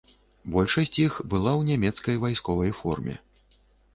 Большасць іх была ў нямецкай вайсковай форме.